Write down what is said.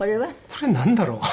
これなんだろう？